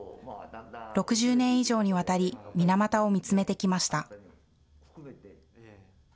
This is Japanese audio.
６０年以上にわたり、水俣を見つめてきました。